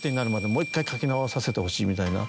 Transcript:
書き直させてほしいみたいな。